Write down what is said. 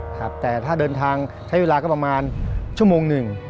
ครับแต่ถ้าเดินทางใช้เวลาก็ประมาณชั่วโมงหนึ่ง